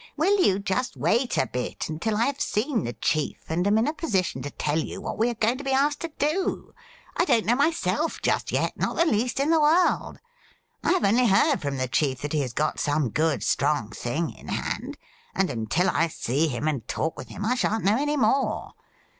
Will you just wait a bit, until I have seen the chief and am in a position to tell you what we are going to be asked to do .'' I don't know myself just yet — ^not the least in the world. I have only heard from the chief that he has got some good, strong thing in hand, and until I see him and talk with him I shan't know anv more.